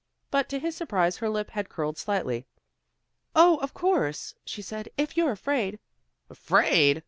But to his surprise, her lip had curled slightly. "Oh, of course," she said, "if you're afraid " "Afraid!"